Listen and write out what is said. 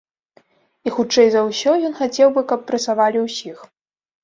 І, хутчэй за ўсё, ён хацеў бы, каб прэсавалі ўсіх.